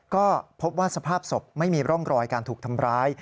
ก็พบว่าสภาพศพไม่มีร่องรอยการถูกทำร้าย